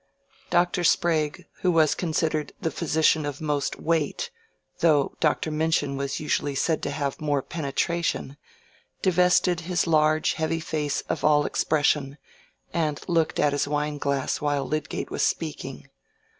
Dr. Sprague, who was considered the physician of most "weight," though Dr. Minchin was usually said to have more "penetration," divested his large heavy face of all expression, and looked at his wine glass while Lydgate was speaking.